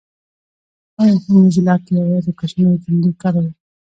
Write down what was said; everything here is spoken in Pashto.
ولي په موزیلا کي یوازي کوچنۍ جملې کاروو؟